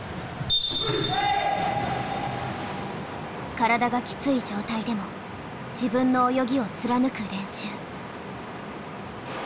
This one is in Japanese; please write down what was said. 体がきつい状態でも自分の泳ぎを貫く練習。